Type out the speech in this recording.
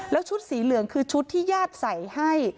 แล้วชุดสีเหลืองคือชุดที่ญาติใส่ให้